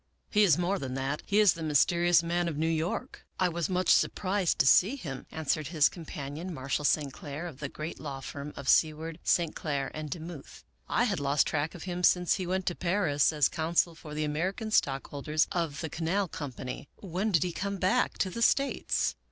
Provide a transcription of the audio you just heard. He is more than that ; he is the mysterious man of New York." " I was much surprised to see him," answered his com panion, Marshall St. Clair, of the great law firm of Seward, St. Clair & De Muth. " I had lost track of him since he went to Paris as counsel for the American stockholders of the Canal Company. When did he come back to the States